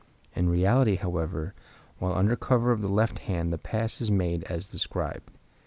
In reality, however, while under cover of the left hand the pass is made as described.